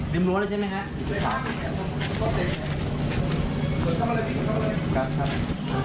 รั้วแล้วใช่ไหมฮะ